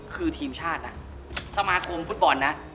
คือทีมชาตินะสมาคมฟุตบอลนะ